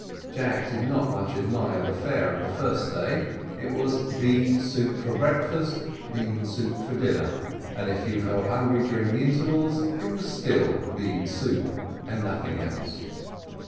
Jack did not much admire the fare of the first day it was bean soup for breakfast, bean soup for dinner, and if you felt hungry during the intervals it was still bean soup, and nothing else.